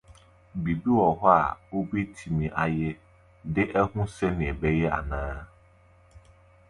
Biribi wɔ hɔ a wubetumi ayɛ de ahu sɛnea ɛbɛyɛ anaa?